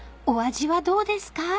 お味はどうですか？］